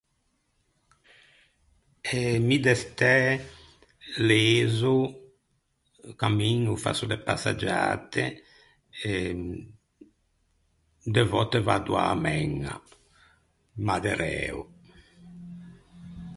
Eh mi de stæ lezo, cammiño, fasso de passaggiate e de vòtte vaddo a-a mæña, ma de ræo.